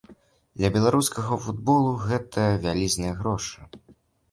Для беларускага футболу гэта вялізныя грошы.